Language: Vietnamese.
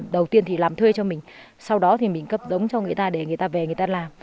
đầu tiên thì làm thuê cho mình sau đó thì mình cấp giống cho người ta để người ta về người ta làm